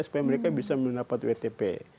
supaya mereka bisa mendapat wtp